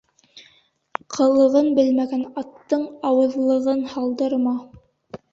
Ҡылығын белмәгән аттың ауыҙлығын һалдырма.